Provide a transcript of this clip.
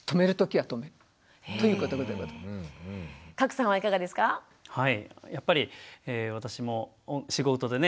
はいやっぱり私も仕事でね